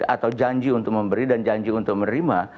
atau janji untuk memberi dan janji untuk menerima